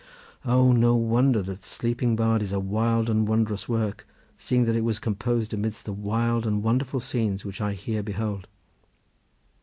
O no wonder that the Sleeping Bard is a wild and wondrous work, seeing that it was composed amidst the wild and wonderful scenes which I here behold."